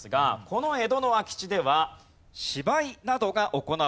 この江戸の空き地では芝居などが行われた他。